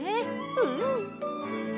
うん。